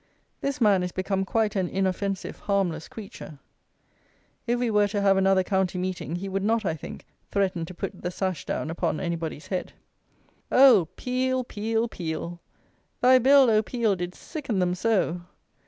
This man is become quite an inoffensive harmless creature. If we were to have another county meeting, he would not, I think, threaten to put the sash down upon anybody's head! Oh! Peel, Peel, Peel! Thy Bill, oh, Peel, did sicken them so!